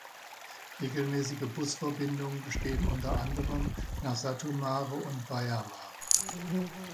Regelmäßige Busverbindungen bestehen unter anderem nach Satu Mare und Baia Mare.